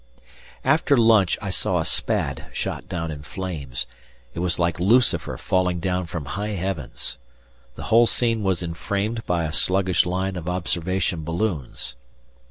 After lunch I saw a Spad shot down in flames, it was like Lucifer falling down from high heavens. The whole scene was enframed by a sluggish line of observation balloons.